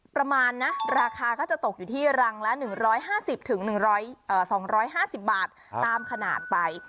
ประมาณนะราคาก็จะตกอยู่ที่รังละ๑๕๐๒๕๐บาทตามขนาดไป